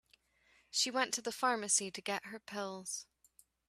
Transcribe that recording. She went to the pharmacy to get her pills.